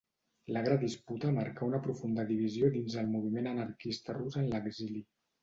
L'agra disputa marcà una profunda divisió dins el moviment anarquista rus en l'exili.